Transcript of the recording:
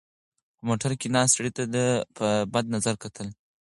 په موټر کې ناست سړي ده ته په بد نظر کتل.